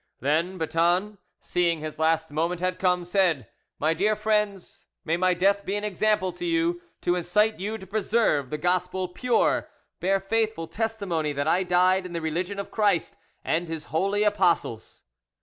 Then Boeton, seeing his last moment had come, said, "My dear friends, may my death be an example to you, to incite you to preserve the gospel pure; bear faithful testimony that I died in the religion of Christ and His holy apostles."